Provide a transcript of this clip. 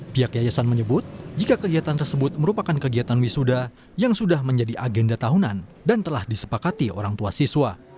pihak yayasan menyebut jika kegiatan tersebut merupakan kegiatan wisuda yang sudah menjadi agenda tahunan dan telah disepakati orang tua siswa